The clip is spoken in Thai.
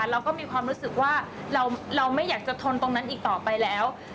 เราก็มีความรู้สึกว่าเราไม่อยากจะทนตรงนั้นอีกต่อไปแล้ว